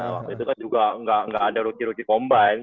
waktu itu kan juga gak ada rookie rookie combine